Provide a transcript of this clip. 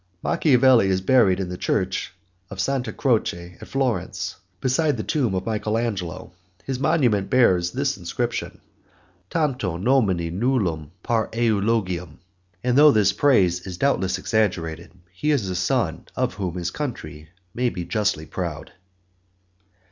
Machiavelli is buried in the church of Santa Croce at Florence, beside the tomb of Michael Angelo. His monument bears this inscription: "Tanto nomini nullum par eulogium." And though this praise is doubtless exaggerated, he is a son of whom his country may be justly proud.